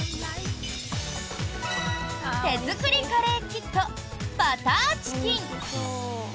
手づくりカレーキットバターチキン。